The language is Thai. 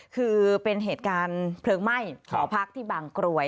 คือเป็นเหตุการณ์เพลิงไหม้หอพักที่บางกรวย